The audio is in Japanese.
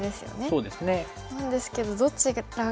そうですね